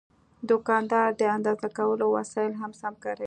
دوکاندار د اندازه کولو وسایل سم کاروي.